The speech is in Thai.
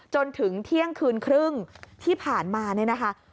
จนถึงเที่ยงคืนครึ่งที่ผ่านมาเนี่ยนะคะ